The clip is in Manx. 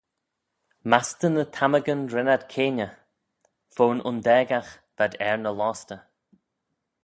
"Mastey ny tammagyn ren ad caayney; fo'n undaagagh v'ad er nyn lostey."